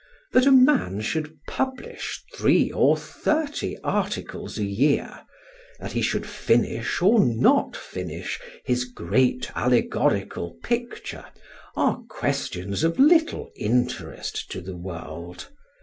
That a man should publish three or thirty articles a year, that he should finish or not finish his great allegorical picture, are questions of little interest to the world.